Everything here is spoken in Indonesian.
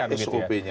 tidak ada sop nya